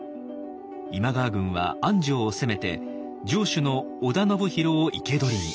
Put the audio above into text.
今川軍は安城を攻めて城主の織田信広を生け捕りに。